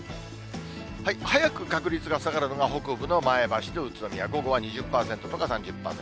早く確率が下がるのが北部の前橋や宇都宮、午後は２０％とか３０％。